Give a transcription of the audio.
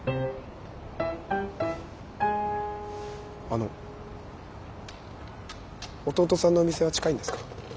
あの弟さんのお店は近いんですか？